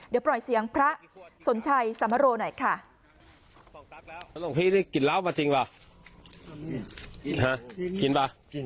เดี๋ยวปล่อยเสียงพระสนชัยสมโรหน่อยค่ะ